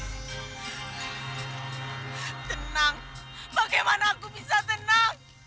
tenang bagaimana aku bisa tenang